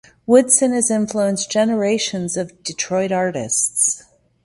Woodson has influenced generations of Detroit artists.